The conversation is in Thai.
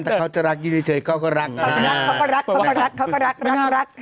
แต่เขาจะรักเย็นเฉยเขาก็รักเขาก็รักเขาก็รัก